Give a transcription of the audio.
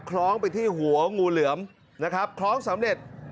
คล้องไปที่หัวงูเหลือมนะครับคล้องสำเร็จ